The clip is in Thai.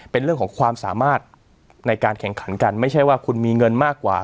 เป็นเรื่องของความสามารถในการแข่งขันกันไม่ใช่ว่าคุณมีเงินมากกว่า